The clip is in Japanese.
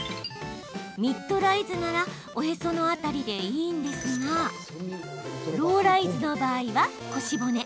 ミッドライズならおへその辺りでいいんですがローライズの場合は、腰骨。